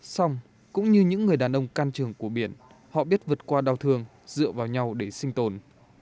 xong cũng như những người đàn ông can trường của biển họ biết vượt qua đau thương dựa vào nhau để sinh tồn